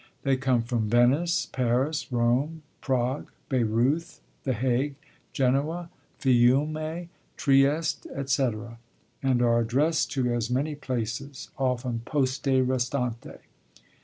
They come from Venice, Paris, Rome, Prague, Bayreuth, The Hague, Genoa, Fiume, Trieste, etc., and are addressed to as many places, often poste restante.